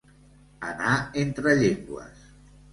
Anar entre llengües.